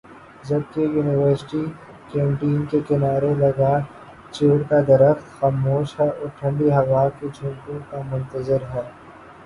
جبکہ university canteen کے کنارے لگا چیڑ کا درخت خاموش ہےاور ٹھنڈی ہوا کے جھونکوں کا منتظر ہے